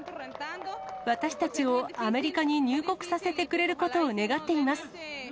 私たちをアメリカに入国させてくれることを願っています。